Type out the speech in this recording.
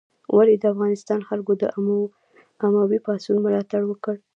ولې د افغانستان خلکو د اموي پاڅون ملاتړ وکړ؟